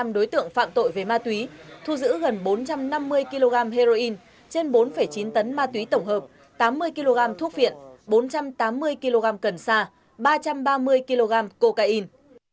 một mươi đối tượng phạm tội về ma túy thu giữ gần bốn trăm năm mươi kg heroin trên bốn chín tấn ma túy tổng hợp tám mươi kg thuốc viện bốn trăm tám mươi kg cần sa ba trăm ba mươi kg cocaine